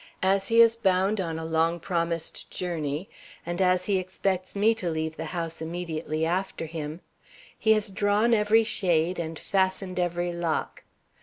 As he is bound on a long promised journey, and as he expects me to leave the house immediately after him, he has drawn every shade and fastened every lock.